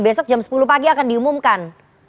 besok jam sepuluh pagi akan diumumkan